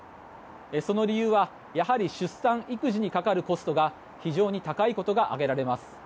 その理由はやはり出産・育児にかかるコストが非常に高いことが挙げられます。